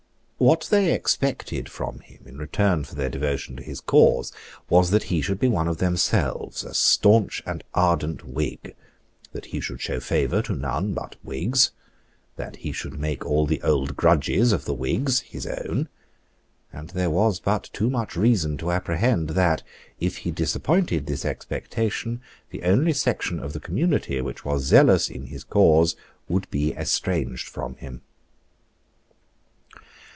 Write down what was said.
What they expected from him in return for their devotion to his cause was that he should be one of themselves, a stanch and ardent Whig; that he should show favour to none but Whigs; that he should make all the old grudges of the Whigs his own; and there was but too much reason to apprehend that, if he disappointed this expectation, the only section of the community which was zealous in his cause would be estranged from him.